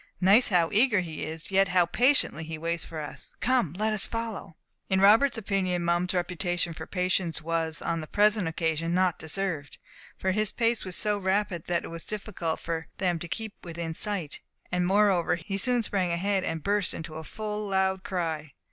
Notice how eager he is, yet how patiently he waits for us. Come, let us follow." In Robert's opinion, Mum's reputation for patience was, on the present occasion, not deserved; for his pace was so rapid that it was difficult for them to keep within sight, and moreover he soon sprang ahead, and burst into a full loud cry.